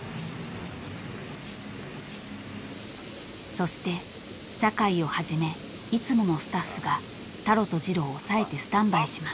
［そして酒井をはじめいつものスタッフがタロとジロを押さえてスタンバイします］